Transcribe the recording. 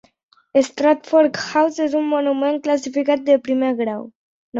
Stratford House és un monument classificat de primer grau.